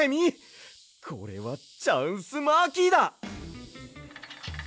これはチャンスマーキーだ！